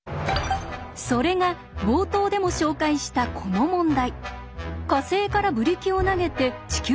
それが冒頭でも紹介したこの問題。